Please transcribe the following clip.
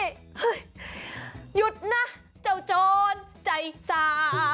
เฮ้ยหยุดนะเจ้าโจรใจซ้ำ